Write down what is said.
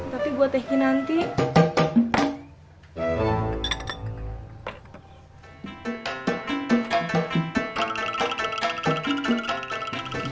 tapi buat teh kinanti